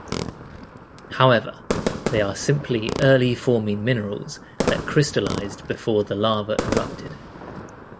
However, they are simply early-forming minerals that crystallized before the lava erupted.